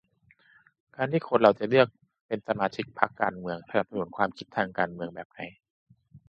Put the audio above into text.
การที่คนเราจะเลือกเป็นสมาชิกพรรคการเมือง-สนับสนุนความคิดทางการเมืองแบบไหน